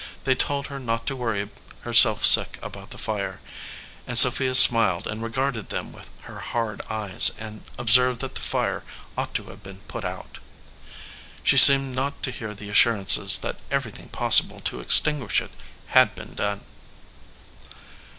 They told her not to worry herself sick about the fire, and Sophia smiled and regarded them with her hard eyes, and observed that the fire ought to have been put out. She seemed not to hear the assurances that everything possible to extinguish it had been done.